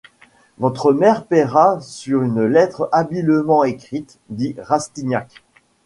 Votre mère payera sur une lettre habilement écrite, dit Rastignac.